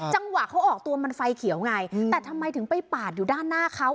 จังหวะเขาออกตัวมันไฟเขียวไงแต่ทำไมถึงไปปาดอยู่ด้านหน้าเขา